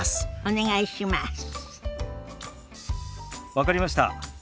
分かりました。